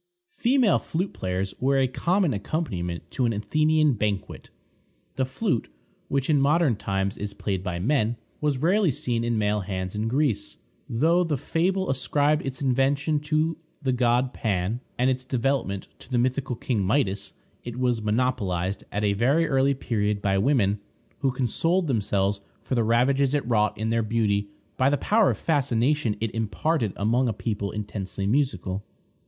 Female flute players were a common accompaniment to an Athenian banquet. The flute, which in modern times is played by men, was rarely seen in male hands in Greece. Though the fable ascribed its invention to the god Pan, and its development to the mythical king Midas, it was monopolized at a very early period by women, who consoled themselves for the ravages it wrought in their beauty by the power of fascination it imparted among a people intensely musical.